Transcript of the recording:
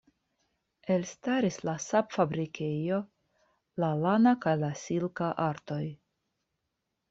Elstaris la sap-fabrikejo, la lana kaj la silka artoj.